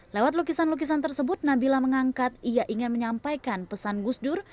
lewat lukisan lukisan tersebut nabila mengangkat ia ingin menyampaikan pesan gusdur